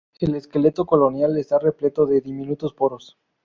El esqueleto colonial está repleto de diminutos poros.